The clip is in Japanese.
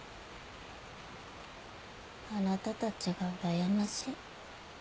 あなたたちがうらやましい。